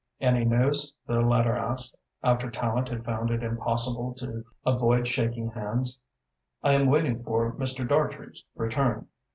"Any news?" the latter asked, after Tallente had found it impossible to avoid shaking hands. "I am waiting for Mr. Dartrey's return.